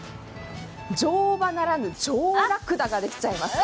乗馬ならぬ乗らくだができちゃいます。